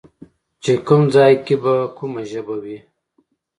چې کوم ځای کې به کومه ژبه وي